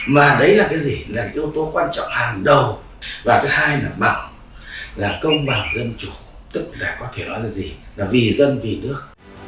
mà đấy là cái gì là cái yếu tố quan trọng hàng đầu và thứ hai là mạng là công bằng dân chủ tức là có thể nói là gì là vì dân vì nước